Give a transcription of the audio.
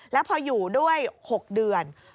แล้วพออยู่ด้วย๖เดือน